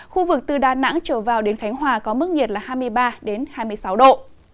khu vực từ đà nẵng trở vào đến khánh hòa có mức nhiệt là hai mươi ba hai mươi sáu độ